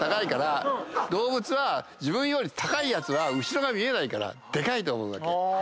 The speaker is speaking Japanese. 動物は自分より高いやつは後ろが見えないからでかいと思うわけ。